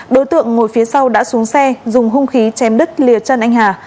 đối tượng ngồi phía sau đã xuống xe dùng hung khí chém đứt lìa chân anh hà